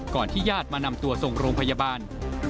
ที่ญาติมานำตัวส่งโรงพยาบาล